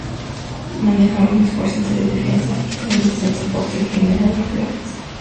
Manejaron las "Fuerzas de Defensa Islandesas" en su cuartel general en Keflavík.